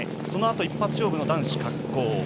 そのあと、一発勝負の男子滑降。